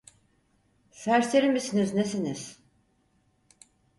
Serseri misiniz nesiniz?